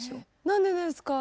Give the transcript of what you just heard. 何でですか？